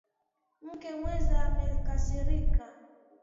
Mke mwenza amekasirika.